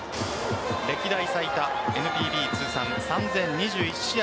歴代最多ＮＰＢ通算３０２１試合